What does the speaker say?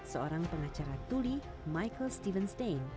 seorang pengacara tuli michael stevenstein